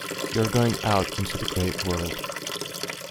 You are going out into the great world.